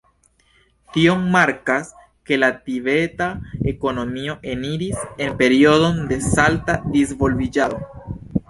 Tio markas, ke la tibeta ekonomio eniris en periodon de salta disvolviĝado.